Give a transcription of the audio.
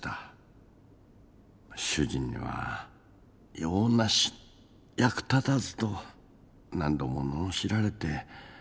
主人には「用なし」「役立たず」と何度も罵られて。